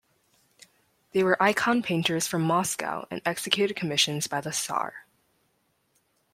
They were icon painters from Moscow and executed commissions by the tsar.